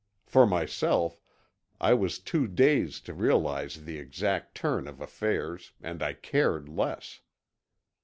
For myself, I was too dazed to realize the exact turn of affairs, and I cared less.